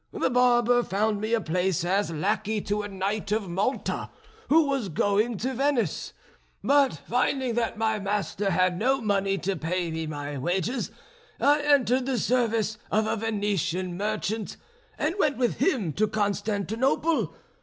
The barber found me a place as lackey to a knight of Malta who was going to Venice, but finding that my master had no money to pay me my wages I entered the service of a Venetian merchant, and went with him to Constantinople.